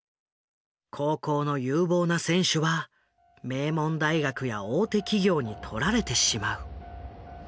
高校の有望な選手は名門大学や大手企業にとられてしまう。